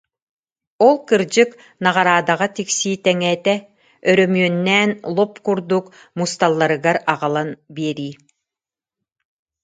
Ол кырдьык наҕараадаҕа тиксии тэҥэ этэ, өрөмүөннээн лоп курдук мусталларыгар аҕалан биэрии